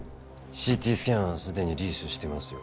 ＣＴスキャンはすでにリースしてますよ